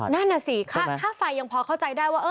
นั่นน่ะสิค่าไฟยังพอเข้าใจได้ว่า